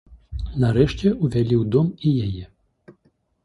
Нарэшце ўвялі ў дом і яе.